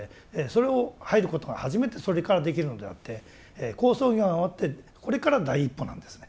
それを入ることが初めてそれからできるのであって好相行が終わってこれから第一歩なんですね。